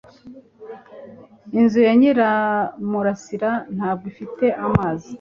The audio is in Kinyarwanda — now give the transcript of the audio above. Inzu ya Nyiramurasira ntabwo ifite amazi.